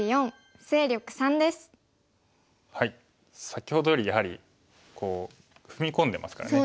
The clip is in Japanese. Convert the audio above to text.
先ほどよりやはり踏み込んでますからね。